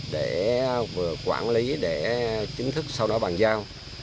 để vừa quản lý để chính thức sau đó bàn giao